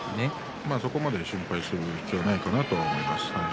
そこまで心配する必要はないかなと思います。